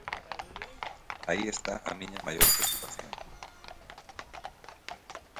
Aí está a miña maior preocupación.